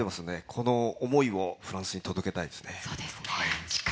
この思いをフランスに届けたいですね。